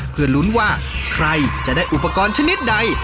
เพื่อลุ้นว่าใครจะได้อุปกรณ์ชนิดใด